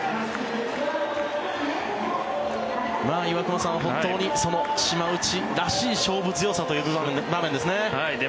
岩隈さん、本当に島内らしい勝負強さという場面ですね。